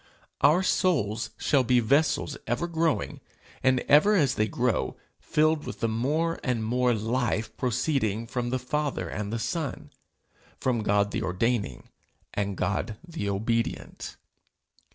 Our souls shall be vessels ever growing, and ever as they grow, filled with the more and more life proceeding from the Father and the Son, from God the ordaining, and God the obedient.